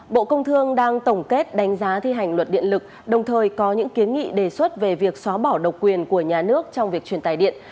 bộ công thương đang tổng kết đánh giá thi hành luật điện lực đồng thời có những kiến nghị đề xuất về việc xóa bỏ độc quyền của nhà nước trong việc truyền tài điện